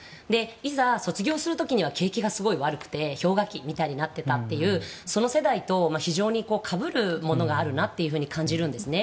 いざ卒業する時には景気がすごい悪くて氷河期みたいになっていたというその世代と非常にかぶるものがあるなと感じるんですね。